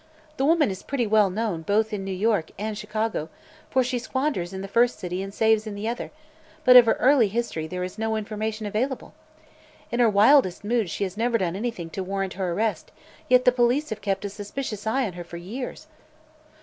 The woman is pretty well known both in New York and Chicago, for she squanders in the first city and saves in the other, but of her early history there is no information available. In her wildest moods she has never done anything to warrant her arrest, yet the police have kept a suspicious eye on her for years."